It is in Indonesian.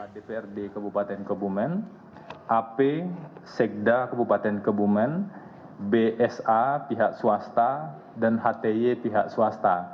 dprd kebupaten kebumen ap sekda kebupaten kebumen bsa pihak swasta dan hty pihak swasta